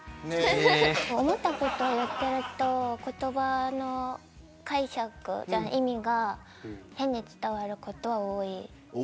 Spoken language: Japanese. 思ったことを言ってると言葉の解釈で意味が変に伝わることが多い。